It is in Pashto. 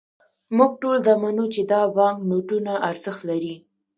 موږ ټول دا منو، چې دا بانکنوټونه ارزښت لري.